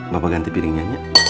bapak ganti piringnya nek